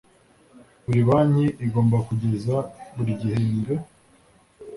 buri banki igomba kugeza buri gihembwe